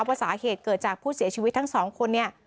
ว่าสาเหตุเกิดจากผู้เสียชีวิตทั้งสองคนเนี่ย